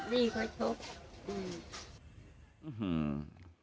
นี่เขาชก